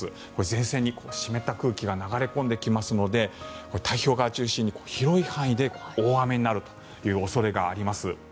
前線に湿った空気が流れ込んできますので太平洋側を中心に広い範囲で大雨になる恐れがあります。